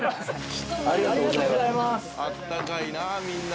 「あったかいなみんな」